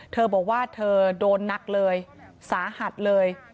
เธอบอกว่าเธอโดนหนักเลยสาหัสเลย